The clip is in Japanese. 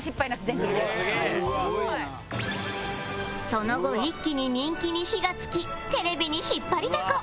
その後一気に人気に火がつきテレビに引っ張りだこ